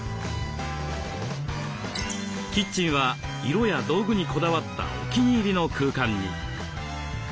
キッチンは色や道具にこだわったお気に入りの空間に。